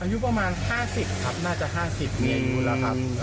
อายุประมาณ๕๐ครับน่าจะ๕๐มีอายุแล้วครับ